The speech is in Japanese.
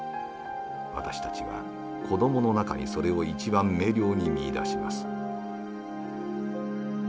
私たちは子どもの中にそれを一番明瞭に見いだします。